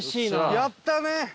やったね！